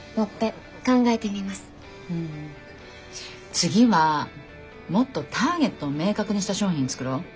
次はもっとターゲットを明確にした商品作ろう。